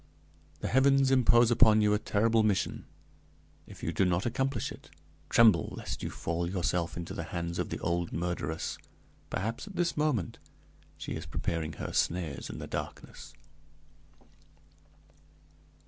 The heavens impose upon you a terrible mission. If you do not accomplish it, tremble lest you fall yourself into the hands of the old murderess! Perhaps, at this moment, she is preparing her snares in the darkness."